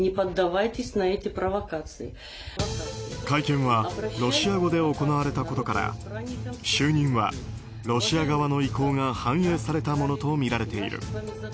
会見はロシア語で行われたことから就任はロシア側の意向が反映されたものとみられている。